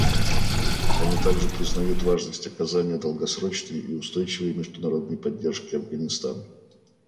Они также признают важность оказания долгосрочной и устойчивой международной поддержки Афганистану.